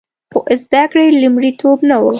خو زده کړې لومړیتوب نه و